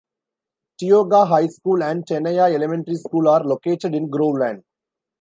Tioga High School and Tenaya Elementary School are located in Groveland.